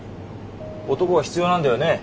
男が必要なんだよね？